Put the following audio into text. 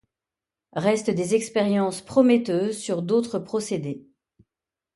Restent des expériences prometteuses sur d'autres procédés.